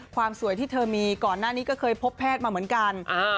ความสวยที่เธอมีก่อนหน้านี้ก็เคยพบแพทย์มาเหมือนกัน